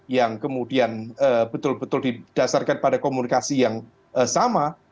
yang kemudian betul betul didasarkan pada komunikasi yang sama